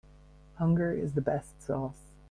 Hunger is the best sauce.